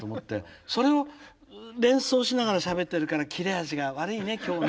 それを連想しながらしゃべってるから切れ味が悪いね今日ね。